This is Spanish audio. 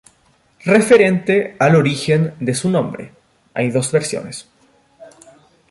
Referente al origen de su nombre, hay dos versiones.